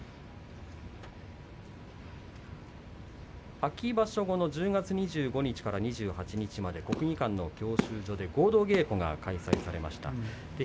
秋場所後の１０月２５日から２８日まで両国の国技館で合同稽古がありました。